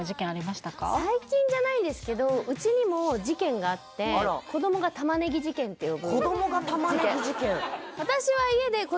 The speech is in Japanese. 最近じゃないですけどうちにも事件があって子供が「玉ねぎ事件」って呼ぶ子供が「玉ねぎ事件」